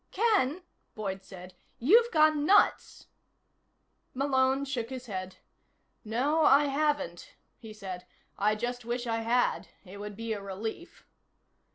"Ken," Boyd said, "you've gone nuts." Malone shook his head. "No, I haven't," he said. "I just wish I had. It would be a relief."